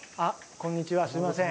こんにちはすいません。